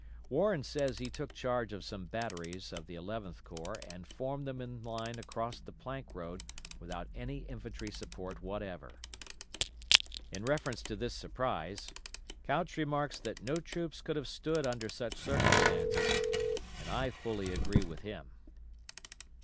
Warren says he took charge of some batteries of the Eleventh Corps and formed them in line across the Plank Road without any infantry support whatever. In reference to this surprise, Couch remarks that no troops could have stood under such circumstances, and I fully agree with him.